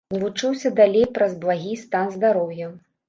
Не вучыўся далей праз благі стан здароўя.